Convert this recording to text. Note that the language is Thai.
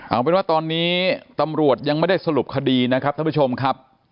เอาเป็นว่าตอนนี้ตำรวจยังไม่ได้สรุปคดีนะครับท่านผู้ชมครับ